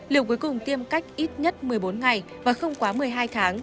liệu cuối cùng tiêm cách ít nhất một mươi bốn ngày và không quá một mươi hai tháng